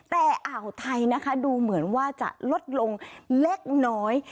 แต่อ่าวไทยนะคะดูเหมือนว่าจะลดลงเล็กน้อย